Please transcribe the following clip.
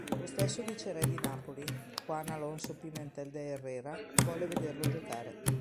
Lo stesso viceré di Napoli, Juan Alonso Pimentel de Herrera, volle vederlo giocare.